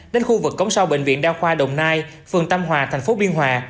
đến khu vực cống sau bệnh viện đa khoa đồng nai phường tâm hòa thành phố biên hòa